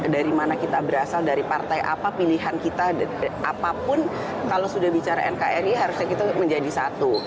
dari mana kita berasal dari partai apa pilihan kita apapun kalau sudah bicara nkri harusnya kita menjadi satu